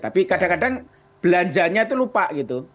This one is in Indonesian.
tapi kadang kadang belanjanya itu lupa gitu